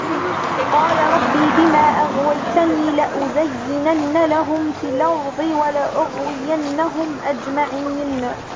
قَالَ رَبِّ بِمَا أَغْوَيْتَنِي لَأُزَيِّنَنَّ لَهُمْ فِي الْأَرْضِ وَلَأُغْوِيَنَّهُمْ أَجْمَعِينَ